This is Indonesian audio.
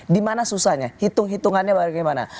di mana susahnya hitung hitungannya bagaimana